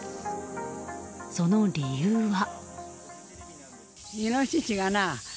その理由は。